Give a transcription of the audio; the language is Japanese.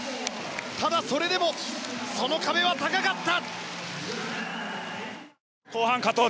ただ、それでもその壁は高かった！